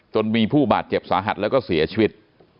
จนมีผู้บาดเจ็บสาหัสแล้วก็เสียชีวิต